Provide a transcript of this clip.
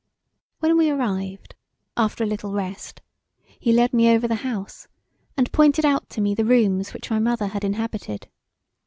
When we arrived, after a little rest, he led me over the house and pointed out to me the rooms which my mother had inhabited.